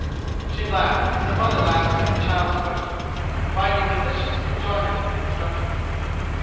She laughed, as a mother laughs at a child's questions, finding delicious enjoyment in instructing him.